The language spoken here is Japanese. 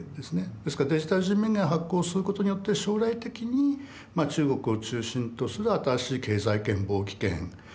ですからデジタル人民元を発行することによって将来的に中国を中心とする新しい経済圏貿易圏通貨圏を作っていくと。